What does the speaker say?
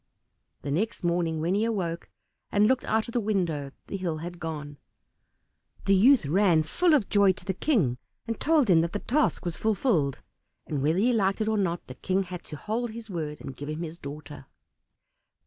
The next morning when he awoke and looked out of the window the hill had gone. The youth ran, full of joy, to the King, and told him that the task was fulfilled, and whether he liked it or not, the King had to hold to his word and give him his daughter.